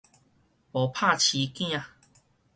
無拍生驚